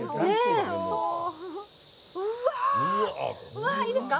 うわあいいですか。